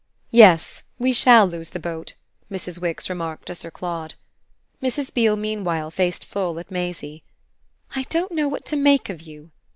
"Yes, we shall lose the boat," Mrs. Wix remarked to Sir Claude. Mrs. Beale meanwhile faced full at Maisie. "I don't know what to make of you!"